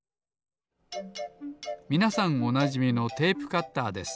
みなさんおなじみのテープカッターです。